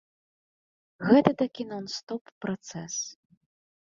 Гэта такі нон-стоп працэс.